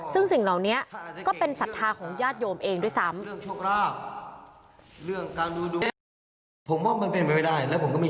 ซึ่งสิ่งเหล่านี้ก็เป็นศรัทธาของญาติโยมเองด้วยซ้ำ